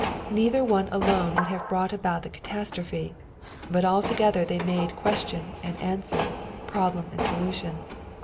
Neither one alone would have brought about the catastrophe, but altogether they made question and answer, problem and solution.